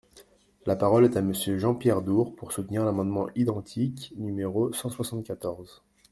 La parole est à Monsieur Jean-Pierre Door, pour soutenir l’amendement identique numéro cent soixante-quatorze.